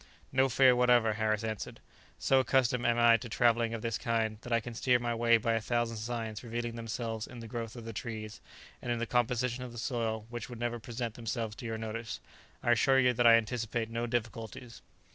"No fear whatever," Harris answered; "so accustomed am I to travelling of this kind, that I can steer my way by a thousand signs revealing themselves in the growth of the trees, and in the composition of the soil, which would never present themselves to your notice. I assure you that I anticipate no difficulties."